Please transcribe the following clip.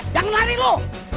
jangan lari lo